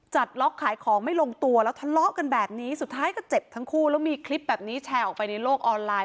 ล็อกขายของไม่ลงตัวแล้วทะเลาะกันแบบนี้สุดท้ายก็เจ็บทั้งคู่แล้วมีคลิปแบบนี้แชร์ออกไปในโลกออนไลน์